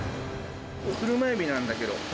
車エビなんだけど。